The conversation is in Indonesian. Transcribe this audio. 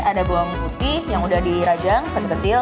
ada bawang putih yang udah dirajang kecil kecil